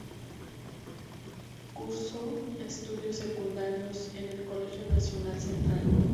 Cursó estudios secundarios en el Colegio Nacional Central.